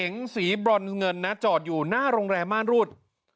เก๋งสีบรรคนเงินจอดอยู่หน้าโรงแรมม่านรูด